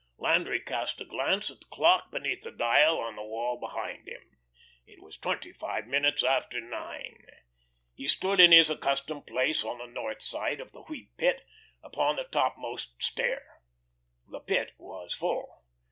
Landry cast a glance at the clock beneath the dial on the wall behind him. It was twenty five minutes after nine. He stood in his accustomed place on the north side of the Wheat Pit, upon the topmost stair. The Pit was full.